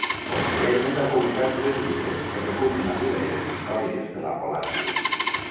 Posteriorment ha publicat tres llibres que recullen la vida i les històries de La Volàtil.